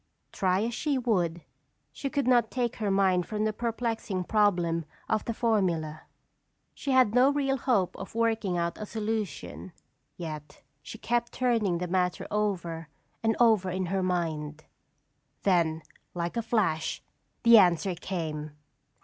Try as she would, she could not take her mind from the perplexing problem of the formula. She had no real hope of working out a solution yet she kept turning the matter over and over in her mind. Then like a flash, the answer came!